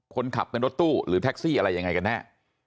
คนขับเป็นรถตู้หรือแท็กซี่อะไรยังไงกันแน่